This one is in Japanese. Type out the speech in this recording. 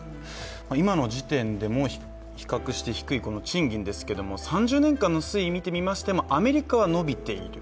今の時点でも比較して低い賃金ですけども３０年間の推移を見てみましても、アメリカは伸びている。